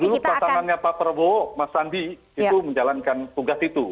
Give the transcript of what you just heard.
dulu pasangannya pak prabowo mas sandi itu menjalankan tugas itu